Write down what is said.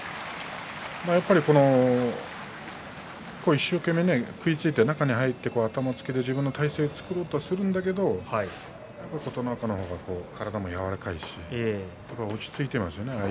やっぱり一生懸命食いついて中に入って頭をつけて自分の体勢を作ろうとするんだけどやっぱり琴ノ若の方が体も柔らかいし落ち着いていますよね。